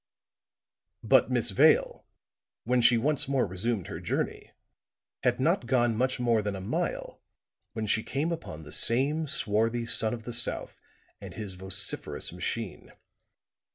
But Miss Vale, when she once more resumed her journey, had not gone much more than a mile when she came upon the same swarthy son of the south and his vociferous machine.